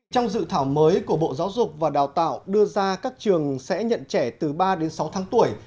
trong dự thảo mới của bộ giáo dục và đào tạo đưa ra các trường sẽ nhận trẻ từ ba đến sáu tháng tuổi